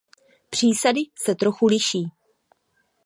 Přísady se trochu liší.